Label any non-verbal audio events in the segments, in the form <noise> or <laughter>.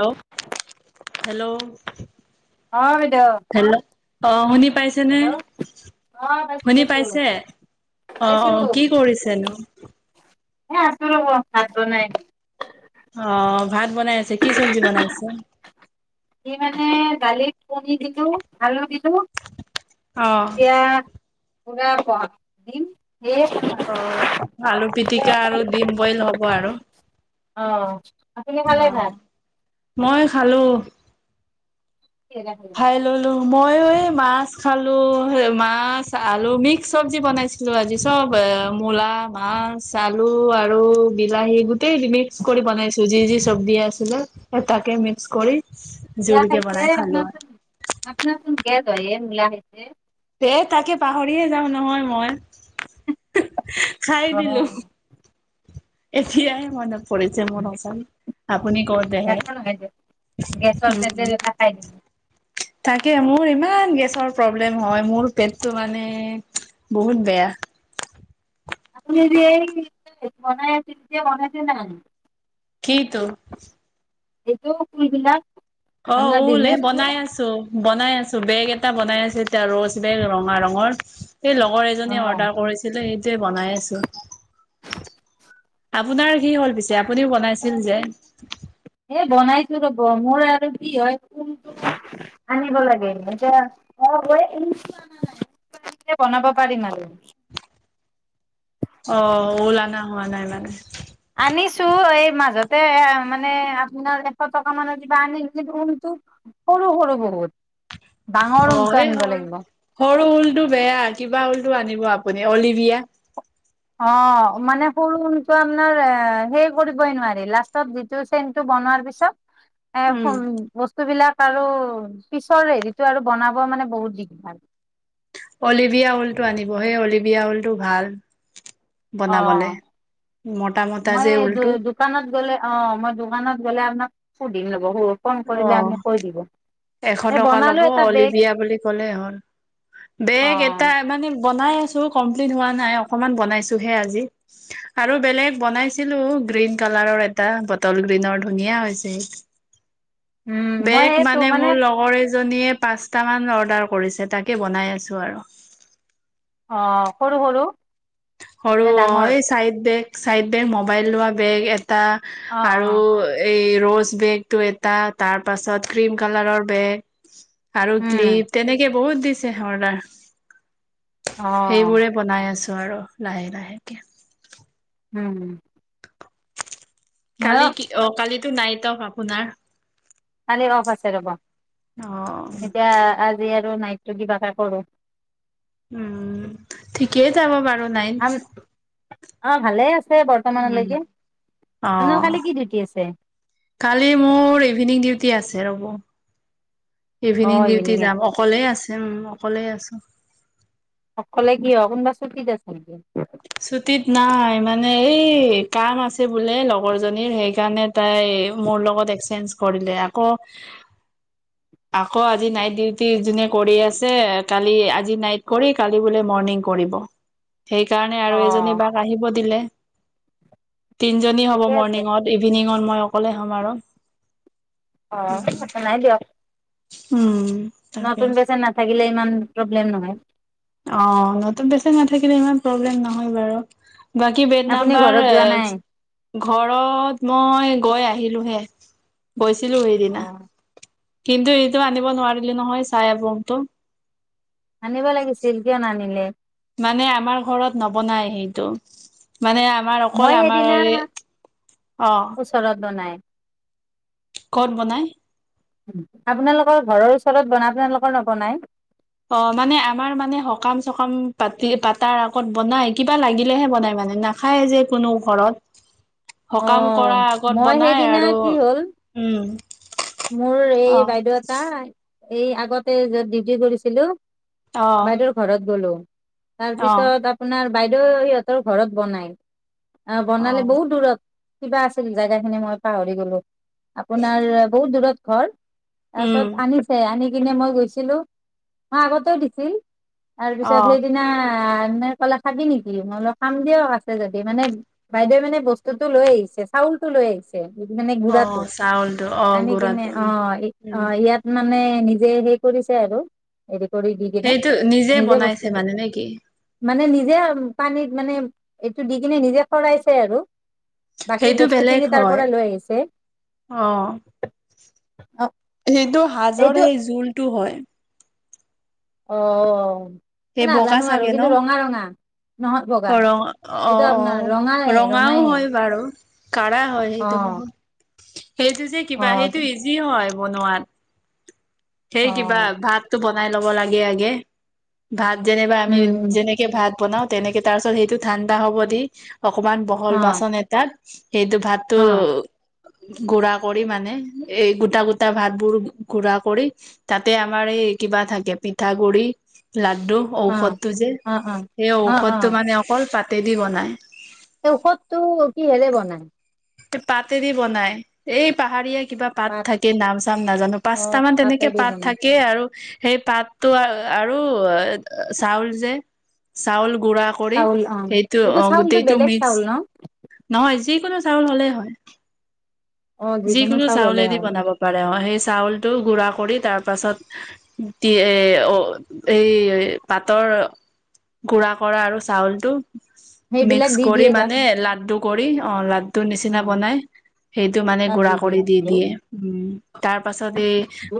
Hello, hello, অ বাইদেউ hello. অ', শুনি পাইছে নে হেল্ল' অ পাইছো শুনি পাইছো পাইছে অ পাইছো অ কি কৰিছেনো এ আছো ৰব ভাত বনাই অ ভাত বনাই আছে কি চব্জি বনাইছে দি মানে দালিত কণী দিলো আলু দিলো। ইবোৰ, অ এতিয়া পুৰা-প দিন। অ', আলু পিটিকা আৰু ডিম বইল হ'ব আৰু। অ। আপুনি ভালে অ ভাত। মই খালো। কিহেৰে খালে খাই ললোঁ। মইয়ো এই মাছ খালোঁ। মাছ, আলু মিক্স চব্জি বনাইছিলোঁ, আজি চব মূলা, মাছ, আলু আৰু বিলাহী গট তেই ৰিমিক্স কৰি বনাইছো যি য চব্জি আছেনা। এ তাকে মিক্স কৰি মূলা জুলকে খাইছে বনাই আপোনাৰ খালোঁ চোন আৰ। আপোনাৰ চোন গেছ হয় এ মূলা খাইছে। এই তাকে পাহৰিয়ে যাওঁ নহয় ম‌ই। হহ্। অ খাই দিলো এতিয়াহে মনত কৰিছে মন সচানি। এ ন হৈ য গেছৰ উম খাই য তাকে মোৰ ইমান গেছৰ প্ৰব্লেম হয় মোৰ পেটটো মানে বহুত বেয়া। আপুনি যে বনাই তেতিয়া বনাইছে নাই কি ইটো। এইটো ফুলবিলাক অ আপোনাৰ ল বিজনেচটো বনাই আছো বনাই আছো বেগ এটা বনাই আছো এতিয়া ৰছ বেগ ৰঙা ৰঙৰ সেই লগৰ এজনীয়ে অ অৰ্ডাৰ কৰিছিলে। সেইটোৱে বনাই আছো। আপ আপোনাৰ কি হ'ল পিছে। আপুনিও বনাইছিল যে। এ বনাইছো ৰব মোৰ আৰু কি হয়োন আনিব লাগে এ বনাব পাৰিম আৰু অ', ওলানা হোৱা নাই মানে। আনিছো এই মাজতে মানে আপোনাৰ এশ টকা মানৰ কিবা আনি উলটো সৰু সৰু বহুত। ডাঙৰ অ ঊণটো এই আনিব সৰু লাগিব সৰু ল টো বেয়া কিবা হ'লতটো আনিব আপুনি অলিভিয়া। অ', মানে সৰু ৰুমটো আপোনাৰ এ সেই কৰিবই নোৱাৰি। লাষ্টত যিটো চেইনটো বনোৱাৰ পিছত উম এ-খন বস্তুবিলাক আৰু পিছৰ হেৰিতটো আৰু বনাব মানে বহুত দিগ ভাল। অলিভিয়া ঊলটো আনিব সেই অলিভিয়া ঊলটো ভাল অ বনাবলে মতা মতা মই যে ঊলটো দোকানত গ'লে অ মই দোকানত গ'লে আপোনাক ফুড যহু ফোন অ কৰিলে আপুনি কৈ দিব। এশ এই টকা বনালো ল'ব এটা বেগ লিবিয়া বুলি কলে হ'ল। অ বেগ এটা মানে বনাই আছো কমপ্লিট হোৱা নাই অকণমান বনাইছোহে আজি আৰু বেলেগ বনাইছিলো গ্ৰীণ কালাৰৰ এটা বটল গ্ৰীনৰ ধুনীয়া হৈছে উম', মই বেগ সেইটো মানে মোৰ লগৰে আইজনীয়ে পাঁচতা মান অৰ্ডাৰ কৰিছে। তাকে বনাই আছো আৰু। অ সৰু সৰু হৰু নে ডাঙৰ অঐ চাহিত ব চাইদে বেগ মোবাইল লোৱা বেগ এ তাৰ অ আৰু অ এই ৰ'জ বেগতটো এটা তাৰ পাছত ক্ৰীম কালাৰৰ বেগ আৰু উম ক্লিপ তেনেকে বহুত দিছ চে হৰ্ডাৰ। অ সেইবোৰে বনাই আছো। নোৱাৰো। লাহে লাহেকে। উম। ময়ো কালি কি অ কালি এইটো নাইটক আপোনাৰ কালি অফ আছে ৰ'ব। অ এতিয়া আজি আৰ নাইটো কিবা এটা কৰোঁ। উম ঠিকেই যাব বাৰু আম নাইনচ। অ', ভালে আছ উম, আপোনাৰ কালি অ', কি ডিউটি আছে কালি মোৰ ইভিনিং ডিউট তি আছে ৰ'ব। ইভিনিং ডিউটি যাম অকলেই আছে। অকলে আছো। অকলে কি হয় কোনোবা ছুটিত আছে নেকি। ছুটিত নাই মানে এই কাম আছে বোলে লগৰ জনীৰ সেইকাৰণে তাই মোৰ লগত এক্সচেঞ্জ কৰিলে আকৌ আকৌ আজি নাইট ডিউটি যোনে কৰি আছে কালি, আজি নাইট কৰি কালি বোলে মৰ্ণিং কৰিব। সেইকাৰণে অ আৰু এজনী বাাক আহিব দিলে তিনজনী হ'ব ঠিকে আছে মৰ্ণিঙত, ইভিনিঙত মই অকলে সমাৰণ অ নাই দিয়ক উম। তাকে নতুন পেচেণ্ট নাথাকিলে <unintelligible> প্ৰব্লেম নহয়। অ' নতুন পেচেণ্ট নাথাকিলে ইমান প্ৰব্লেম নহয় বাৰু। বাকী বেড আপুনি নাম্বাৰ ঘৰত আ যোৱা নাই? ঘৰত মই গৈ আ <unintelligible> অ', <unintelligible> কিন্তু এইটো আনিব নোৱাৰিলে নহয় চাই আপমটো। আনিব লাগিছিল কিয় নানিলে? মানে আমাৰ ঘৰত নবনায় সেইটো। মানে আমাৰ মই অকল আমাৰ সেইদিনা এই অ'। <unintelligible> ক'ত বনায়? আপোনালোকৰ ঘৰৰ ওচৰত বনায়, আপোনালোকৰ নবনায়? অ' মানে আমাৰ মানে সকাম-চকাম পাতি পাতাৰ আগত বনায় কিবা লাগিলেহে বনায় মানে, নাখায় যে কোনো ঘৰত। সকাম অ', কৰাৰ আগত মই বনাই সেইদিনা আৰু, কি হ'ল উম। মোৰ অ এই বাইদেউ এটা এই আগতে য'ত ডিউটি কৰিছিলোঁ অ বাইদেউৰ ঘৰত গলোঁ। তাৰপিছত আপোনাৰ বাইদেউ সিহঁতৰ ঘৰত বনাই। অ বনালে বহুত দূৰত। কিবা আছিল জাগাখিনি মই পাহৰি গলোঁ। আপোনাৰ বহুত দূৰত ঘৰ। উম তাৰপিছত আনিছে, আনি সিপিনে মই গৈছিলোঁ, মই আগতেও দিছি অ তাৰপিছত সেইদিনা মানে ক'লা খাবি নেকি, মই বোলো খাম দিয়ক আছে যদি মানে বাইদেৱে মানে বস্তুতটো লৈ আহিছে চাউলতটো লৈ আহিছে। <unintelligible> মানে অ গুৰাটো? চাউলটো অ আনি কিনে গুড়াটো উম অ', উম অ', ইয়াত ম মানে নিজে হেই কৰিছে আৰু এ সেইটো নিজে বনাইছে মানে নেকি? মানে নিজে পানীত মানে এইটো দি কিনে নিজে কৰাইছে আৰু বাকী সেইটো বস্তু বেলেগ খিনি তাৰ হয় পৰা লৈ আহিছে অ। অ সেইটো হাজৰ এইটো সেই জোলটো। হয় অ। সেই বগা নাজানো আৰু চাগে ন? কিন্তু ৰঙা ৰঙা নহয় বগা ৰা অ', অ, এইটো আপোনাৰ ৰঙায়ে ৰঙাও ৰঙায়ে হয় বাৰু। কাৰা হয় অ সেইটো ব সেইটো যে অ কিবা সেইটো ইজি হয় বনোৱাত। সেই অ কিবা ভাত তো বনা বনাই ল'ব লাগে আগে আগে ভাল যেনিবা আমি উম যেনেকে ভাত বনাও তেনেকে তাৰ পিছত সেইটো ঠাণ্ডা হ'ব দি অকমান বহল অ বাচন এটাত <unintelligible> সেইটো ভাতো অ ঘুৰা কৰি মানে এই গোটা গোটা ভাত বোৰ ঘুৰা কৰি তাতে আমাৰ এই কিবা থাকে পিঠাাগুৰি লাগ অ ঔষধ টো যে, অ অ সেই অ ঔষধ টো মানে অকল পাত কিহেদি বনায় ঔষধতটো কিহেৰে বনাই পাতেদি বনাই এই পাহাৰীয়া কিবা পাত থাকে নাম চাম নাজানো অ পাঁচটা মান তেনেকে পাতেদি পাত বনাই থাকে আৰু সেই পাতটো আৰু ৰৈ অ, চাউল যে চাউল গু়ৰা কৰি চাউল অ সেইটো এইটো অ চাউলটো গোটেইটো বেলেগ মিক্স চাউল ন নহয় যিকোনো চাউল হলেই হয় অ যিকোনো চাউল হলে চাউলেদি হয় বনাব পাৰে অ সেইটো চাউলটো গুড়া কৰি তাৰ পাছত এ এই পাতৰ গু়া কৰা আৰু চাউলটো সেইবিলাক মিক্স দি কৰি দিয়ে তাত মানে ল কৰি অ লাডু অ নিচিনা বনাই সেইটো মানে গুৰাা কৰি দি দিয়ে উম তাৰ পাছত এই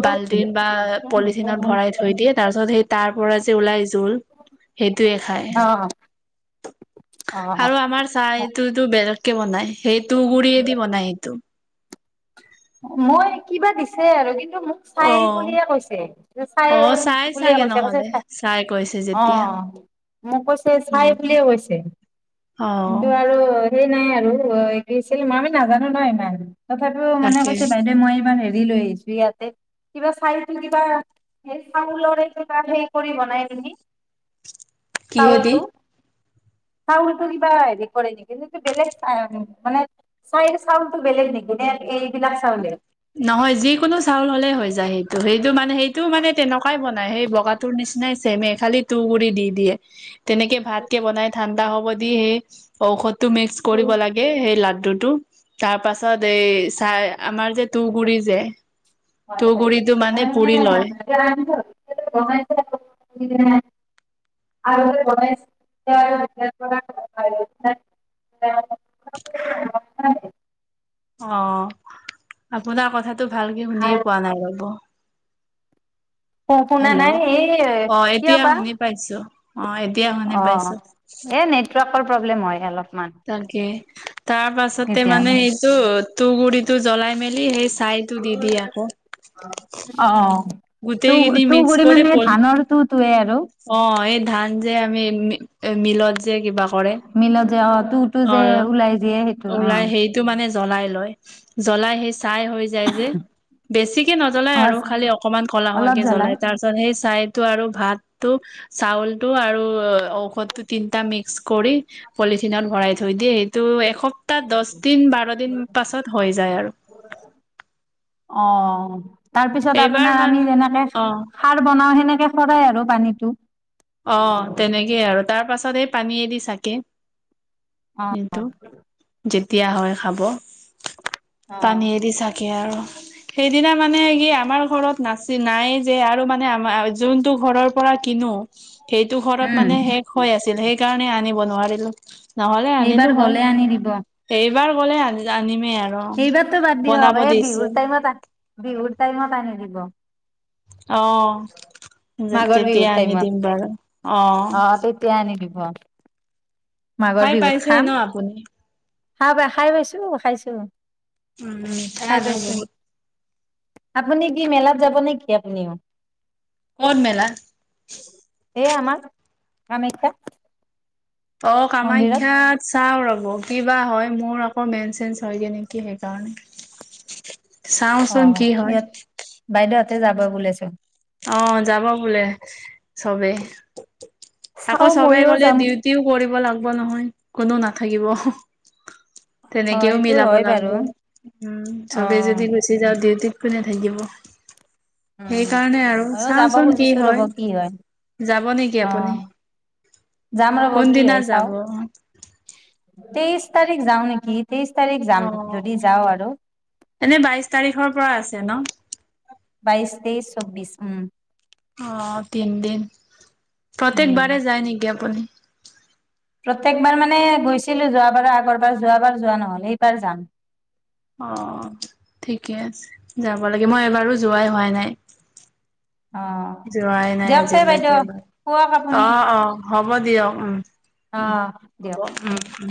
বাল্টিন বা পলিথিনত ভৰাই থৈ দিয়ে তাৰ পিছত সেই তাৰ পৰা যে ওলাইছে জোল সেইটয়ে খায়। অ অ আৰু আমাৰ চাহটোতো বেলেগ কেৱনাই সেই তো গুৰিয়ে অ দিব নাই সেই তটো মই কিবা দিছে আৰু কিন্তু এই মোক চাই অ বুলিয়ে কৈছে চাই অ চাই বুলে চাগে কৈছে কৈছে নহলে চ চাই কৈছে অ যেতিয়া মোক কৈছে চাই উম বুলিয়ে কৈছে অ কিন্তু আৰু নাই আৰুছিল মই আমি নাজানো ন ইমান তথাপো মানে তাকে কৈছে বাইদেউ মই ইব হ চল কিবনাইি <unintelligible> কিহেদি চাউলটো চাউলটো কিবা হেৰি কৰে নেকিটো বেলেগ চ মানে চাইৰ চাউলটো বেলেগ নেকি নে এই নহয় যিকোনো চাউল হ'লে হৈ যায় সেইটো সেই এইটো মানে সেইটো মানে তেনেকুৱাই বনাই সেই বগাটোৰ নিচিনাই চেমে খালি তু গুৰি দি দিয়ে তেনেকে ভাত কেে বনাই থাকে ঠাণ্ডা হ'ব দি সে ঔষধ টো মিক্স কৰিব লাগে সেই ল টো তাৰ পাছত এই চাই আমাৰ যে তগুৰি যে তুঁহগুৰিটো মানে পুৰি লয় হয়। আৰু গণেশ বি বি <unintelligible> অ আপোনাৰ কথা। টো ভালকে শুনিয়ে পোৱা নাই ৰব অ পুনা নাই হেল্ল' এই অ কিয় এতিয়া বা শুনি পাইছো অ এতিয়া হ ন অ পাইছো এই নেটৱৰ্কৰ প্ৰব্লেম হয় অলপ তাকে তাৰ পাছতে মানে কেতিয়াবা এইটো ত গুৰিতো জ্বলাই মেলি সেই চাইতো দি দি আকৌ ত গোটেইখিনি তোৰ মিক্স গুৰি কৰি মানে পল ধানৰ ত অ এই ধান যে আমি মিলত যে কিবা কৰে মিল যোৱা তটো তটো অ যে ওলাই যিয়ে সেইটো অ ওলাই সেইটো মানে জ্বলাই লয় জ্বলাই আহি চাই হৈ যায় যে বেছিকে নজ্বলাই অ আৰু খালি অকমান ক'লা হোৱ কেে জ্বলাই তাৰ পিছত সেই চাইটো আৰু ভাত টো চাউল টো আৰু অঔশতো তিন্তা মে কৰি পলিথিন ভৰাই থৈ দিয়ে সেইটো এস তাহ দহ দিন বাৰ দিন পাছত হৈ যায় আৰু অ তাৰ পিছত এইবাৰ আপোনাৰ মান আমি যেনেকে অ সাৰ বনাও তেনেকে ফৰাই আৰু পানীতটো অ তেনেকেই আৰু তাৰ পাছত এই পানীয়েদি চাকে অ'। কিন্তু যে দিয়া হয় খাব টানিয়েদি চাগে আৰু সেইদিনা মানে কি আমাৰ ঘৰত নাচ নাই যে আৰু মানে আমাৰ যোনতটো ঘৰৰ পৰা কিনো সেইটো ঘৰত উম, মানে শেষ হৈ আছিল সেই কাৰণে আনিব নাৰিল এইবাৰ গলে আনি দিব এইবাৰ গ'লে আনমি এইবাৰো বাদ দিয়ক এই বিহুৰ টাইমত বিহুৰ টাইমত আনি দিব আহ মাঘৰ তেতিয়া বিহুৰ আনি টাইমত দিম বাৰু অ াহ খাই পাইছে ন আপুনি হা ভাই খাই বাইছো খাইছো উম এ ত খাই ন পাইছো বহুত আপুনি কি মেলাত যাব নেকি আপুনিও কন মেেলা এই আমাৰ কমেখ্যা অ কামাখ্যাত চাও ৰবি কিবা হয় মোৰ আকৌ মেন চেঞ্চ হয়গে নেকি সেইকাৰণে চাওচোন কি হয় তাতে যাব বুলিছোন অ যাব বোলে চবেই আকৌ চাও চবাই ময়ো গ'লে যাম দিউটও কৰিব লাগ নহয় কোনো নাথাকিব অ', তেনেকেও সেইটো মিলাব হয় লাগিব বাৰু উম চবে অ'। যদি গুচি যাওঁ দিউ কোনে থাকিব উম সেইকাৰণে আৰু ময়ো যাব চাওচোন কি খুজিছো ৰ'ব হয় কি যাব নেকি অ আপুনি যাম ৰব কি কোনদিনা হয় চাও যাব? তেইছ তাৰিখ যাওঁ নেকি তেইশ তাৰিখ যাম অ যদি যাও আৰু এনেই বাইশ তাৰিখৰ পৰা আছে ন বাইশ তেইছ চৌবিশ উম অ তিনিদিন উম প্ৰত্যেকবাৰে যায় নেকি আপুনি প্ৰত্যেকবাৰ মানে গৈছিলো যোৱাবাৰ আগৰবাৰ যোৱাবাৰ যোৱা নহল এইবাৰ যাম অ ঠিকে আছে যাব লাগে মই এবাৰো যোৱাই হোৱা এ নাই অ যোৱাই নাই দিয়ক তে আজিলৈকে বাইদেউ এবাৰ। হোৱক আপুনি অ' অ' হব দিয়ক উম অ উম দিয়ক হব উম উম